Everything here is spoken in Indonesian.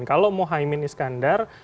kalau mohaimin iskandar